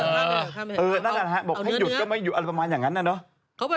นั่นแหละฮะบอกให้หยุดก็ไม่หยุดอะไรประมาณอย่างนั้นนะเนอะ